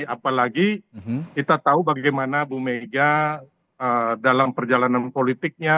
apalagi kita tahu bagaimana bu mega dalam perjalanan politiknya